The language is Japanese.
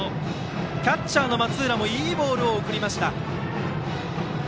キャッチャーの松浦もいいボールを送りました。